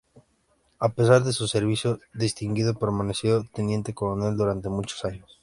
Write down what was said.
A pesar de su servicio distinguido, permaneció teniente coronel durante muchos años.